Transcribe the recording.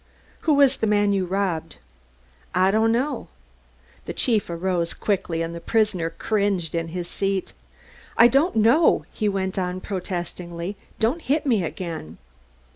"Who was the man you robbed?" "I don't know." The chief arose quickly, and the prisoner cringed in his seat. "I don't know," he went on protestingly. "Don't hit me again."